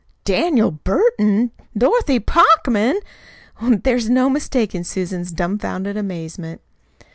"Daniel Burton Dorothy Parkman!" There was no mistaking Susan's dumfounded amazement.